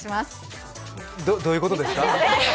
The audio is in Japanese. ど、どういうことですか？